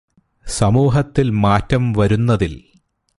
സമൂഹത്തിൽ മാറ്റം വരുത്തുന്നതിൽ.